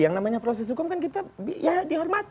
yang namanya proses hukum kan kita ya dihormati